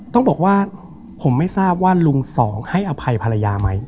ต้องบอกว่าผมไม่ทราบว่าลุงสองให้อภัยภรรยาไหม